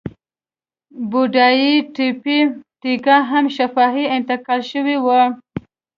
بودایي تیپي تیکا هم شفاهي انتقال شوې وه.